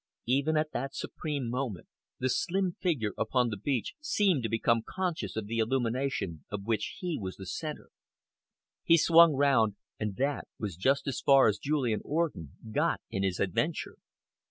Even at that supreme moment, the slim figure upon the beach seemed to become conscious of the illumination of which he was the centre. He swung round, and that was just as far as Julian Orden got in his adventure.